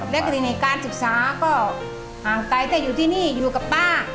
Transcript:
และคดีในการศึกษาก็ห่างไกลแต่อยู่ที่นี่อยู่กับป้า